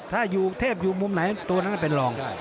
ถ้าเทพอยู่มุมไหนตัวนั้นก็เป็นรอง